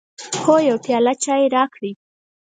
هو، یو پیاله چای راکړئ